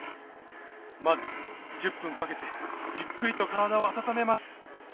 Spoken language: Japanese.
まず１０分かけてじっくりと体を温めます